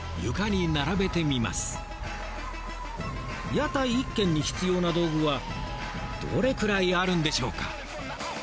屋台１軒に必要な道具はどれくらいあるんでしょうか？